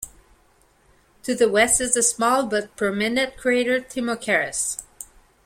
To the west is the small but prominent crater Timocharis.